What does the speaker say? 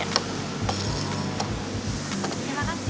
ini tuh coklat